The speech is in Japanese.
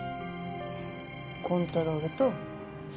コントロールとＣ。